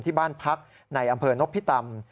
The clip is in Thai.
ที่บ้านพักในอำเภอนพิตำ